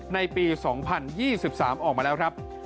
ในปี๒๐๒๓ออกมาแล้วครับ